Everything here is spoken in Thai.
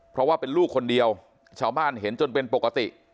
เพราะว่าเป็นลูกคนเดียวชาวบ้านเห็นจนเป็นปกติ